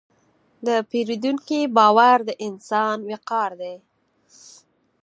د پیرودونکي باور د انسان وقار دی.